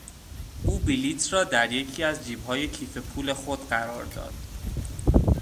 او بلیط را در یکی از جیبهای کیف پول خود قرار داد.